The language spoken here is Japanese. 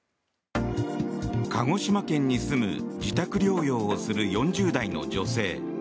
鹿児島県に住む自宅療養をする４０代の女性。